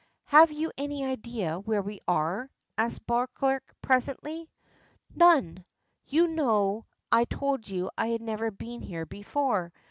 "Have you any idea where we are?" asks Beauclerk presently. "None. You know I told you I had never been here before.